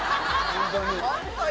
ホントに。